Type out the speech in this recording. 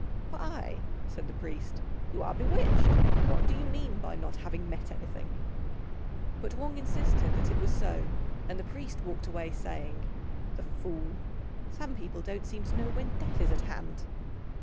"Why," said the priest, "you are bewitched; what do you mean by not having met anything?" But Wang insisted that it was so, and the priest walked away, saying, "The fool! Some people don't seem to know when death is at hand."